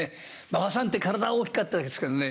馬場さんって体、大きかったですけどね